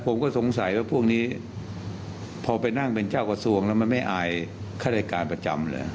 ผมก็สงสัยว่าพวกนี้พอไปนั่งเป็นเจ้ากระทรวงแล้วมันไม่อายข้ารายการประจำเลย